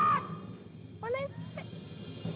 ・お願い！